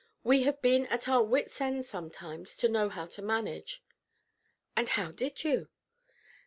We have been at our wits' end sometimes to know how to manage." "And how did you?"